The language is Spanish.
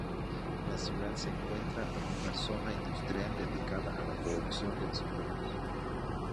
La ciudad se encuentra en una zona industrial dedicada a la producción de azulejos.